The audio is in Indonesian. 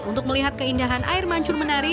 untuk melihat keindahan air mancur menari